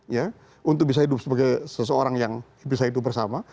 ya untuk bisa hidup sebagai seseorang yang bisa hidup bersama